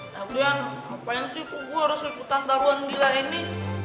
kemudian ngapain sih gue harus ikutan taruhan gila ini